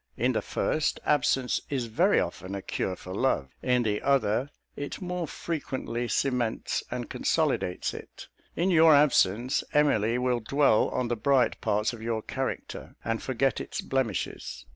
In the first, absence is very often a cure for love. In the other, it more frequently cements and consolidates it. In your absence, Emily will dwell on the bright parts of your character, and forget its blemishes.